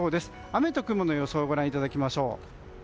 雨と雲の予想をご覧いただきましょう。